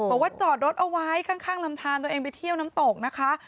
บอกว่าจอดรถเอาไว้ข้างลำทานตัวเองไปเที่ยวน้ำตกนะคะ